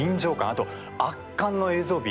あと、圧巻の映像美。